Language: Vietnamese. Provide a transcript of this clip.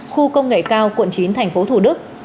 khu công nghệ cao quận chín tp thủ đức